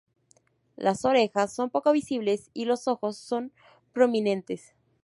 Las orejas son poco visibles, y los ojos son prominentes.